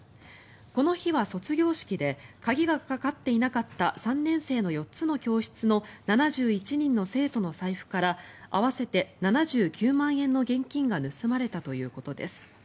この日は卒業式で鍵がかかっていなかった３年生の４つの教室の７１人の生徒の財布から合わせて７９万円の現金が盗まれたということです。